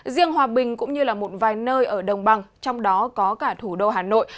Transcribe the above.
riêng hòa bình cũng như một vài nơi ở đông bằng trong đó có cả thủ đô hà nội